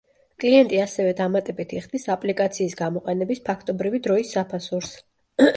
კლიენტი ასევე დამატებით იხდის აპლიკაციის გამოყენების ფაქტობრივი დროის საფასურს.